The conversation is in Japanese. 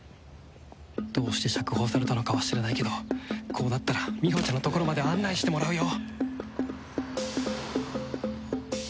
どうして釈放されたのかは知らないけどこうなったらみほちゃんのところまで案内してもらうよ